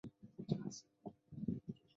这种保护机制常被弱小者所用。